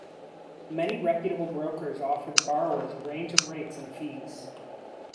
Many reputable brokers offer the borrowers a range of rates and fees.